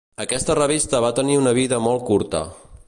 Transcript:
Aquesta revista va tenir una vida molt curta.